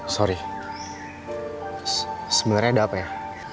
sorry sebenarnya ada apa ya